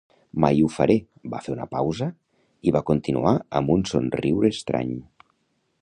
Mai ho faré!" Va fer una pausa i va continuar amb un somriure estrany.